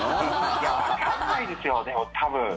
いや、わかんないですよ多分。